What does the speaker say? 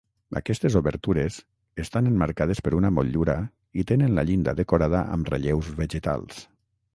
Aquestes obertures estan emmarcades per una motllura i tenen la llinda decorada amb relleus vegetals.